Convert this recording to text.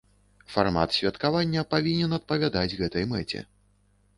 Фармат святкавання павінен адпавядаць гэтай мэце.